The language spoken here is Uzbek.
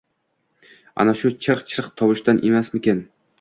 Ana shu chirq-chirq... tovushdan emasmikin?